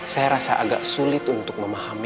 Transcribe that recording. saya rasa agak sulit untuk memahami